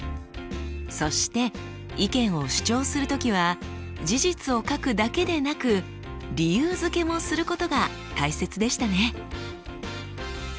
そして意見を主張する時は事実を書くだけでなく理由づけもすることが大切でしたね。